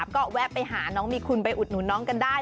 ก็แวะไปหาน้องมีคุณไปอุดหนุนน้องกันได้